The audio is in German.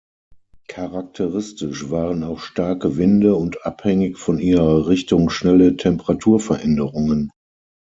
Charakteristisch waren auch starke Winde und abhängig von ihrer Richtung schnelle Temperaturveränderungen.